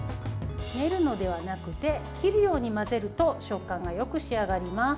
練るのではなくて切るように混ぜると食感がよく仕上がります。